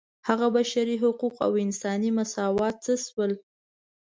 هغه بشري حقوق او انساني مساوات څه شول.